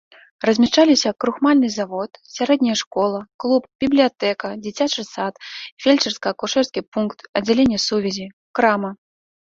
Размяшчаліся крухмальны завод, сярэдняя школа, клуб, бібліятэка, дзіцячы сад, фельчарска-акушэрскі пункт, аддзяленне сувязі, крама.